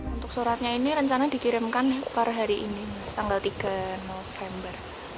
untuk suratnya ini rencana dikirimkan per hari ini tanggal tiga november